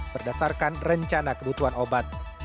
berdasarkan rencana kebutuhan obat